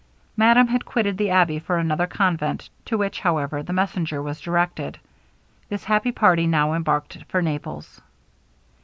Madame had quitted the abbey for another convent, to which, however, the messenger was directed. This happy party now embarked for Naples.